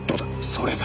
それだ。